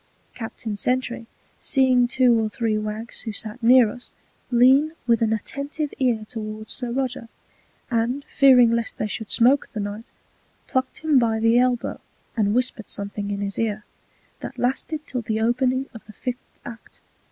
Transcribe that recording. Captain Sentry seeing two or three Waggs who sat near us, lean with an attentive Ear towards Sir Roger, and fearing lest they should Smoke the Knight, pluck'd him by the Elbow, and whisper'd something in his Ear, that lasted till the Opening of the Fifth Act.